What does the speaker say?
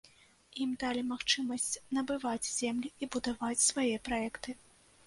Ім далі магчымасць набываць землі і будаваць свае праекты.